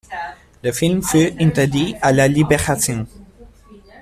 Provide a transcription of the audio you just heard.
Le film fut interdit à la Libération.